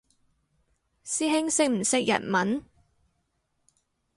師兄識唔識日文？